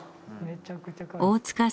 めちゃくちゃかわいい。